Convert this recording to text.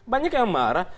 banyak yang marah